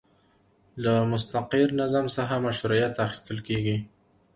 له مستقر نظم څخه مشروعیت اخیستل کیږي.